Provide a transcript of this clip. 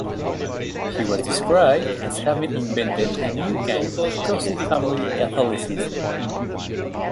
He was described as having invented a new kind of cosy family Catholicism.